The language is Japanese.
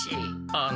あの。